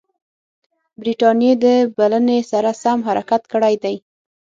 برټانیې د بلنې سره سم حرکت کړی دی.